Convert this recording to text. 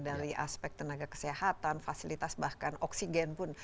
dari aspek tenaga kesehatan fasilitas bahkan oksigen pun